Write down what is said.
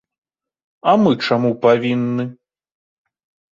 А мы чаму павінны?